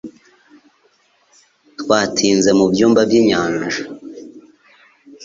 Twatinze mu byumba by'inyanja